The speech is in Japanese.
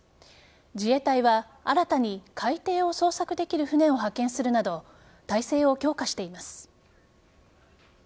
自衛隊は新たに海底を捜索できる船を派遣するなど態勢を強化しています。